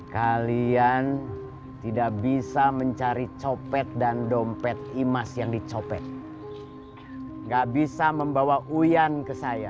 kalian tidak bisa mencari copet dan dompet imas yang dicopet gak bisa membawa uyan ke saya